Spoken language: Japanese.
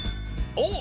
おっ！